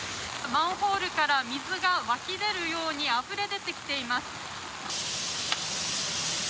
マンホールから水が湧き出るようにあふれ出てきています。